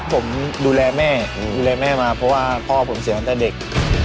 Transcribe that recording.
ผมดูแลแม่ดูแลแม่มาเพราะว่าพ่อผมเสียตั้งแต่เด็ก